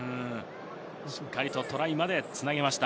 しっかりとトライまで繋げました。